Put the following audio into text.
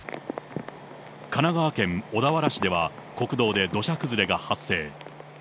神奈川県小田原市では、国道で土砂崩れが発生。